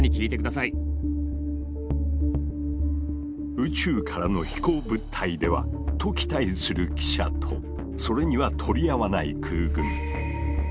「宇宙からの飛行物体では？」と期待する記者とそれには取り合わない空軍。